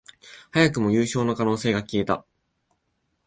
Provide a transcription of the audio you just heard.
早くも優勝の可能性が消えた